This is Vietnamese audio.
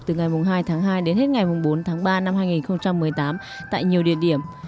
từ ngày hai tháng hai đến hết ngày bốn tháng ba năm hai nghìn một mươi tám tại nhiều địa điểm